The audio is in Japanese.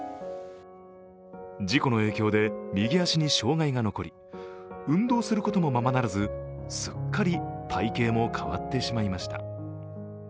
事故の影響で右足に障害が残り運動することもままならずすっかり体型も変わってしまいました。